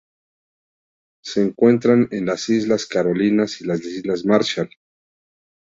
Se encuentran en las Islas Carolinas y las Islas Marshall.